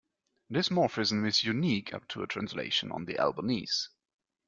This morphism is unique up to a translation on the Albanese.